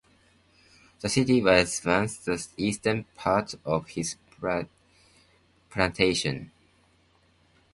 The City was once the eastern part of his plantation.